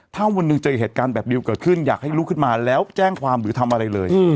ถ้าวันหนึ่งเจอเหตุการณ์แบบเดียวเกิดขึ้นอยากให้ลุกขึ้นมาแล้วแจ้งความหรือทำอะไรเลย